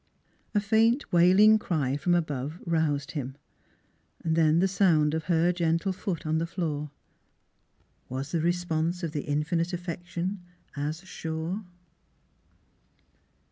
A faint, wailing cry from above roused him. Then the sound of her gentle foot on the floor. Was the response of the Infinite Affection as sure?